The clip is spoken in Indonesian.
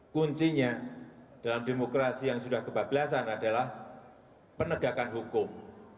kuncinya dalam demokrasi yang sudah kebablasan adalah penegakan hukum